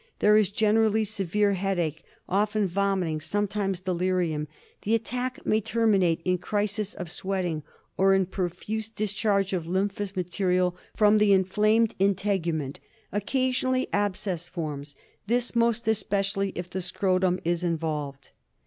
There is generally severe headache, often vomiting, sometimes delirium. The attack may terminate in crisis of sweating, or in profuse discharge of. lymphous material from the inflamed integument. Occasionally abscess forms ; this more especially if the scrotum is involved.